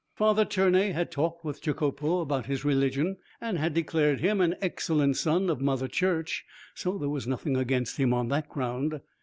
Father Tiernay had talked with Jacopo about his religion, and had declared him an excellent son of Mother Church, so there was nothing against him on that ground.